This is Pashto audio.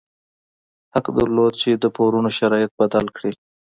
حق درلود چې د پورونو شرایط بدل کړي.